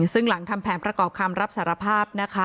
ซึ่งหลังทำแผนประกอบคำรับสารภาพนะคะ